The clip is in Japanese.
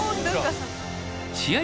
試合